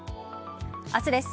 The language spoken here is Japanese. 明日です。